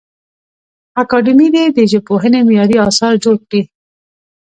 اکاډمي دي د ژبپوهنې معیاري اثار جوړ کړي.